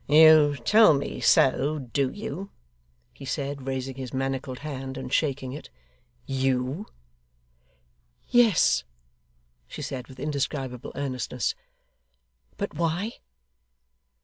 'You tell me so, do you?' he said, raising his manacled hand, and shaking it. 'You!' 'Yes,' she said, with indescribable earnestness. 'But why?